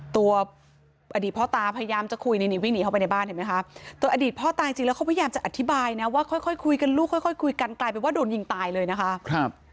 ตัวอดีตพ่อตาพยายามจะคุยนี่วิ่งหนีเข้าไปในบ้านเห็นไหมคะตัวอดีตพ่อตาจริงแล้วเขาพยายามจะอธิบายนะว่าค่อยคุยกันลูกค่อยคุยกันกลายเป็นว่าโดนยิงตายเลยนะคะ